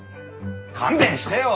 勘弁してよ！